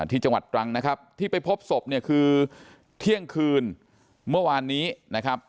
ที่จังหวัดตรังนะครับที่ไปพบศพเนี่ยคือเที่ยงคืนเมื่อวานนี้นะครับ